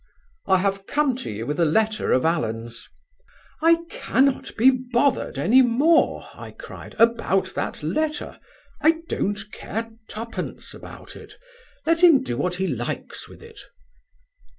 "'I have come to you with a letter of Allen's.' "'I cannot be bothered any more,' I cried, 'about that letter; I don't care twopence about it. Let him do what he likes with it.'